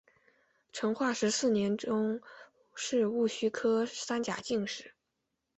成化十四年中式戊戌科三甲进士。